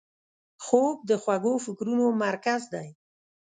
خوب د خوږو فکرونو مرکز دی